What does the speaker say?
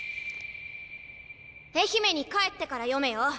愛媛に帰ってから読めよ！